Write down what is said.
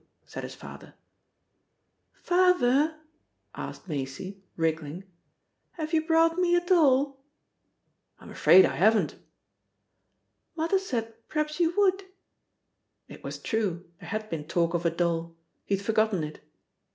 said his father. "Fahver," asked Maisie, wriggling, "have you brought me a doll?" "I'm afraid I haven't." "Mother said p'r'aps you would." It was true, there had been talk of a doll; he had forgotten it.